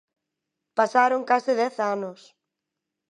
Pasaron case dez anos.